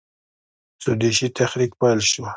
سودیشي تحریک پیل شو.